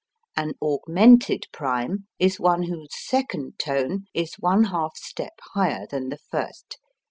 An augmented prime is one whose second tone is one half step higher than the first.